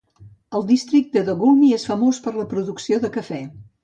El districte de Gulmi és famós per la producció de cafè.